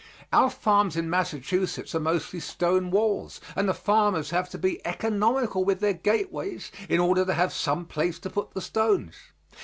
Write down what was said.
Our farms in Massachusetts are mostly stone walls, and the farmers have to be economical with their gateways in order to have some place to put the stones.